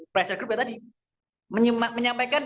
pressure group ya tadi menyampaikan